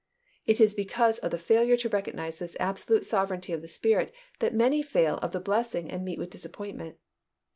It is because of the failure to recognize this absolute sovereignty of the Spirit that many fail of the blessing and meet with disappointment.